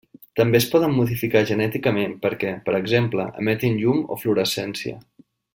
També es poden modificar genèticament perquè, per exemple, emetin llum o fluorescència.